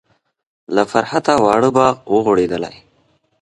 له فرحته واړه باغ و غوړیدلی.